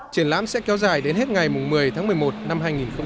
triển lãm sẽ kéo dài đến hết ngày một mươi tháng một mươi một năm hai nghìn một mươi chín